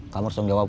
kamu harus menjawab